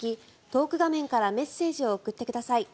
トーク画面からメッセージを送ってください。